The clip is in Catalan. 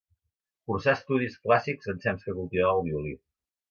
Cursà estudis clàssics ensems que cultivava el violí.